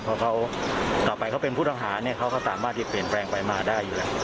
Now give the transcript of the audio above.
เพราะเขาต่อไปเป็นผู้ต่างหาเขาก็ตามมาที่เปลี่ยนแปลงไปมาได้อยู่แล้ว